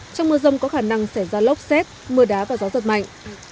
trong mưa rông có khả năng xảy ra lốc xét mưa đá và gió giật mạnh